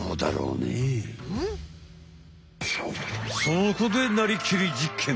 そこで「なりきり！実験！」